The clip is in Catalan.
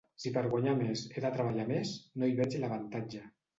Si per guanyar més he de treballar més, no hi veig l'avantatge.